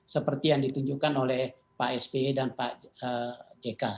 seperti yang ditunjukkan oleh pak sby dan pak jk